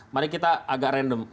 mari kita agak random